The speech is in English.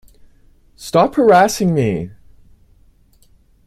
Stop harassing me!